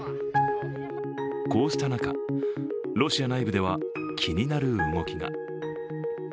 こうした中、ロシア内部では気になる動きが。